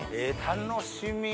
楽しみ！